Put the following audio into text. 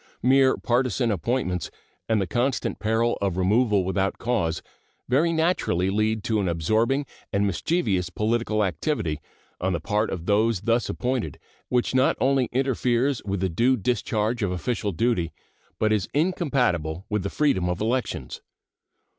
Mere partisan appointments and the constant peril of removal without cause very naturally lead to an absorbing and mischievous political activity on the part of those thus appointed, which not only interferes with the due discharge of official duty, but is incompatible with the freedom of elections.